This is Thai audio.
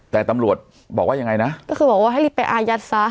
แต่ตำรวจบอกว่ายังไงนะก็คือบอกว่าให้รีบไปอายัดซะ